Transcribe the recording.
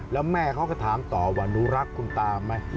แล้วแม่เขาก็ถามต่อว่าหนูรักคุณตาไหม